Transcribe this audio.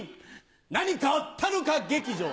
何かあったのか劇場。